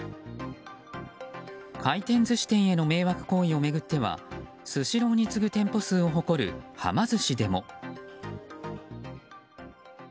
回転寿司店への迷惑行為を巡ってはスシローに次ぐ店舗数を誇るはま寿司でも。